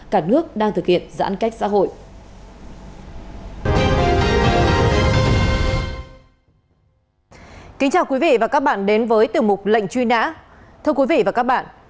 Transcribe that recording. cả nước đang tham gia